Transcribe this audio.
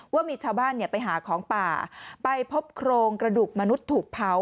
ว่ามีชาวบ้านไปหาของป่าไปพบโครงกระดูกมนุษย์ถูกเผา